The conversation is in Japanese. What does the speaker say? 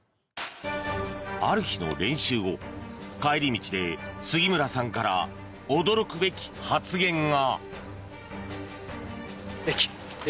ある日の練習後帰り道で杉村さんから驚くべき発言が。